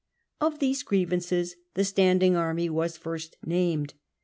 Of these grievances the standing army was first named.